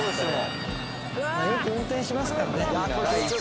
「よく運転しますからね」